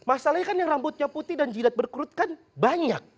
masalahnya kan yang rambutnya putih dan jilat berkerut kan banyak